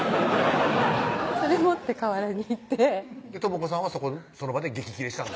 それ持って河原に行って倫子さんはその場で激ギレしたの？